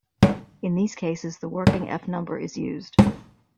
In these cases the working f-number is used.